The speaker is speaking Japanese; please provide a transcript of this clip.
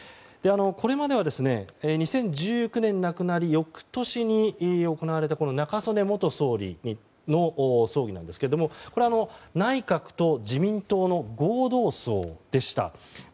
これまでは２０１９年に亡くなり翌年に行われた中曽根元総理の葬儀なんですがこれは内閣と自民党の合同葬でした。